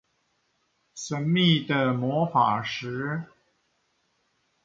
神秘的魔法石